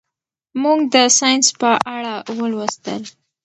موږ د ساینس په اړه ولوستل.